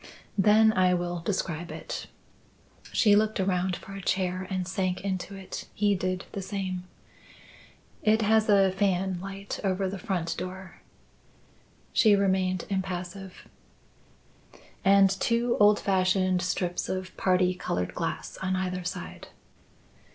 "Then I will describe it." She looked around for a chair and sank into it. He did the same. "It has a fanlight over the front door." She remained impassive. "And two old fashioned strips of parti coloured glass on either side."